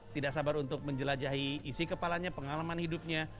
tidak sabar untuk menjelajahi isi kepalanya pengalaman hidupnya